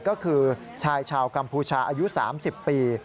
ก็คือชายชาวกัมพูชาอายุ๓๐ปี